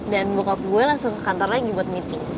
dan bokap gue langsung ke kantor lagi buat meeting